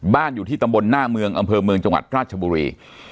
อยู่ที่ตำบลหน้าเมืองอำเภอเมืองจังหวัดราชบุรี